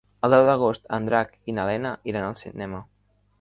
El deu d'agost en Drac i na Lena iran al cinema.